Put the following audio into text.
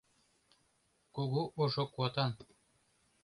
Кугу ожо куатан.